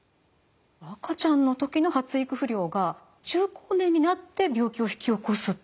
赤ちゃんの時の発育不良が中高年になって病気を引き起こすってことですか？